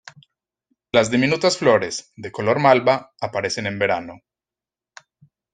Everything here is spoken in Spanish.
Las diminutas flores, de color malva, aparecen en verano.